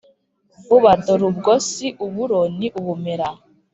vuba, dorubwo si uburo ni ubumera!